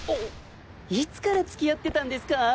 いつからつきあってたんですか？